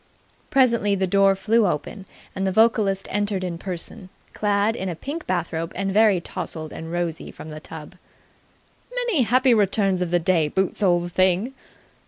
Presently the door flew open, and the vocalist entered in person, clad in a pink bathrobe and very tousled and rosy from the tub. "Many happy returns of the day, Boots, old thing!"